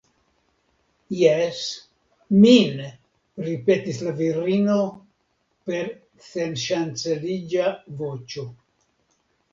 Jes, min, ripetis la virino per senŝanceliĝa voĉo.